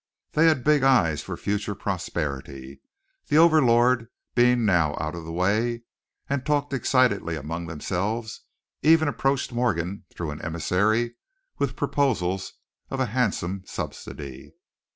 They had big eyes for future prosperity, the overlord being now out of the way, and talked excitedly among themselves, even approached Morgan through an emissary with proposals of a handsome subsidy.